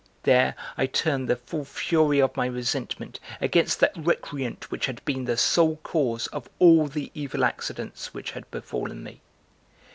There, I turned the full fury of my resentment against that recreant which had been the sole cause of all the evil accidents which had befallen me.